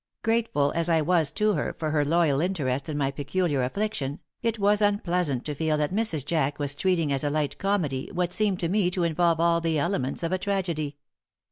Grateful as I was to her for her loyal interest in my peculiar affliction, it was unpleasant to feel that Mrs. Jack was treating as a light comedy what seemed to me to involve all the elements of a tragedy.